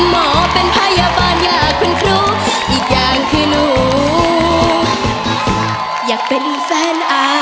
มองตาพี่อย่างเดียวครับ